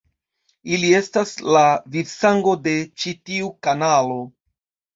Ili estas la vivsango de ĉi tiu kanalo.